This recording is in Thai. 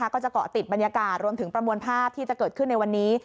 ก็จะเกาะติดบรรยากาศรวมถึงประมวลภาพที่จะเกิดขึ้นในวันนี้